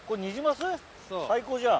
最高じゃん。